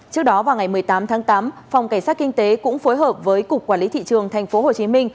trước đó vào ngày một mươi tám tháng tám phòng cảnh sát kinh tế cũng phối hợp với cục quản lý thị trường tp hcm